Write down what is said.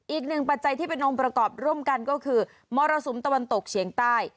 ปัจจัยที่เป็นองค์ประกอบร่วมกันก็คือมรสุมตะวันตกเฉียงใต้